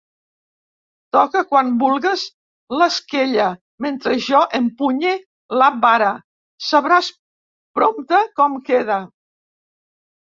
Toca quan vulgues l'esquella, mentre jo empunye la vara; sabràs prompte com queda.